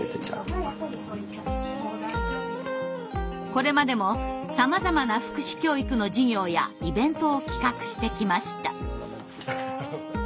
これまでもさまざまな福祉教育の授業やイベントを企画してきました。